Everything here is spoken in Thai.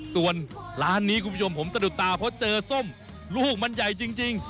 ส่วนร้านนี้คุณผู้ชมผมสะดุดตาเพราะเจอส้มลูกมันใหญ่จริง